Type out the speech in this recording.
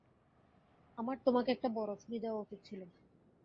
আমার তোমাকে একটা বড়ো ছুরি দেয়া উচিত ছিল।